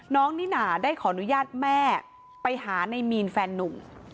นิน่าได้ขออนุญาตแม่ไปหาในมีนแฟนนุ่ม